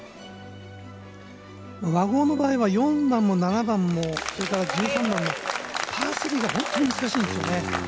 和合の場合、４番も７番もそれから１３番もパー３が本当に難しいんです。